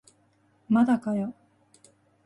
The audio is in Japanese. まだかよ